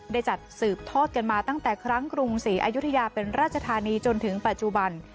ได้จัดสืบทอดกันมาตั้งแต่ครั้งกรุงศรีอายุทยาเป็นราชธานีจนถึงปัจจุบัน